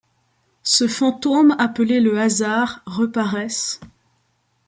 Ce fantôme appelé le Hasard, reparaissent ;